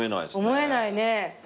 思えないね。